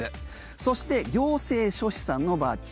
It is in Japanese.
そして行政書士さんのバッジ。